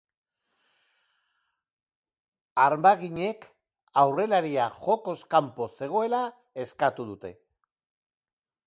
Armaginek aurrelaria jokoz kanpo zegoela eskatu dute.